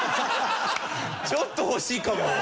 ちょっと欲しいかも。